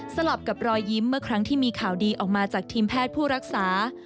สลับกับรอยยิ้มเมื่อครั้งที่มีข่าวดีออกมาจากทีมแพทย์ผู้รักษา